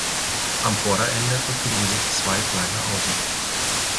Am Vorderende befinden sich zwei kleine Augen.